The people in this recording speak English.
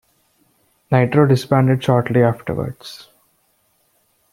Nitro disbanded shortly afterwards.